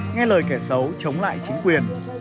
nghe lời kẻ xấu chống lại chính quyền